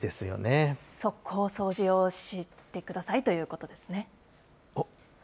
こう掃除をしてくださいということですね。